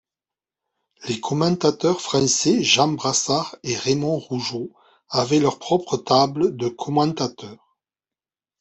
Les commentateurs français Jean Brassard et Raymond Rougeau avaient leur propre table de commentateur.